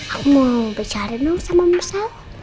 aku mau bicara sama musal